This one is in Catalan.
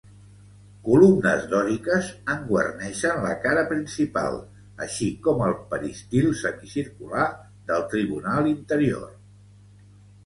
Columnes dòriques en guarneixen la cara principal així com el peristil semicircular del tribunal interior.